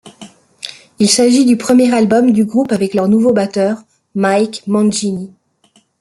Il s'agit du premier album du groupe avec leur nouveau batteur Mike Mangini.